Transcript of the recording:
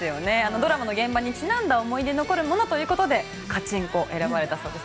ドラマの現場にちなんだ思い出残るものということでカチンコ選ばれたそうです。